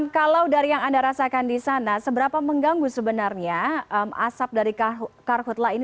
kalau dari yang anda rasakan di sana seberapa mengganggu sebenarnya asap dari karhutlah ini